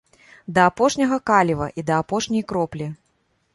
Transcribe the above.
Да апошняга каліва і да апошняй кроплі.